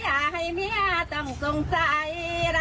รักเมียต้องทรงเพลียอย่าให้เมียต้องสงสัย